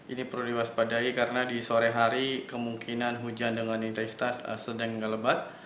ini perlu diwaspadai karena di sore hari kemungkinan hujan dengan intensitas sedang hingga lebat